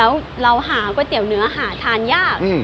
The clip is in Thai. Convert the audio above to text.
แล้วเราหาก๋วยเตี๋ยวเนื้อหาทานยาก